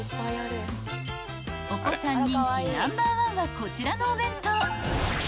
［お子さん人気ナンバーワンはこちらのお弁当］